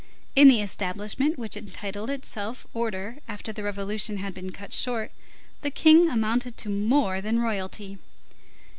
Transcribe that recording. In the establishment which entitled itself order after the revolution had been cut short, the King amounted to more than royalty.